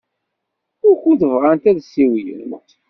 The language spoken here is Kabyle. Wukud bɣant ad ssiwlent?